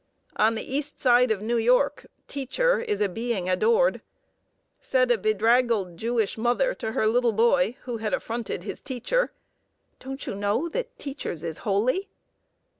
On the East Side of New York, "Teacher" is a being adored. Said a bedraggled Jewish mother to her little boy who had affronted his teacher, "Don't you know that teachers is holy?"